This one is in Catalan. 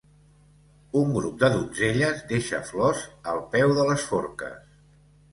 Un grup de donzelles deixa flors al peu de les forques.